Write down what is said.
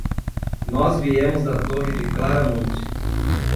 Nós viemos da Torre de Claramunt.